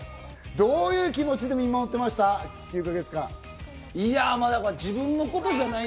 どういう気持ちで９か月間、見守ってましたか？